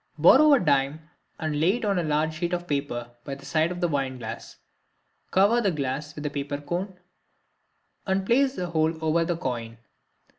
Borrow a dime and lay it on the large sheet of paper by the side of the wine glass; cover the glass with the paper cone, and place the whole over the coin.